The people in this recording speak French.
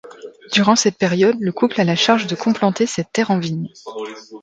Durant cette période le couple a la charge de complanter cette terre en vigne.